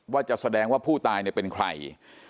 ว่าจะแสดงว่าผู้ตายเป็นใคร